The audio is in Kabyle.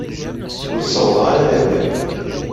Ur ssawḍeɣ ara ad agiɣ.